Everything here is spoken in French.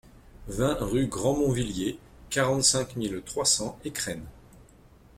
vingt rue Grant Montvilliers, quarante-cinq mille trois cents Escrennes